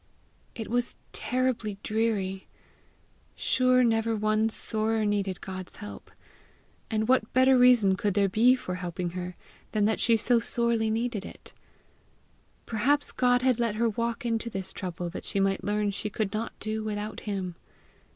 It was terribly dreary. Sure never one sorer needed God's help! And what better reason could there be for helping her than that she so sorely needed it! Perhaps God had let her walk into this trouble that she might learn she could not do without him!